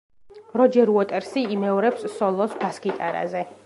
როჯერ უოტერსი იმეორებს სოლოს ბას-გიტარაზე.